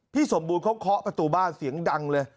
สมบูรณ์เขาเคาะประตูบ้านเสียงดังเลย